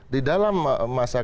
di dalam masalah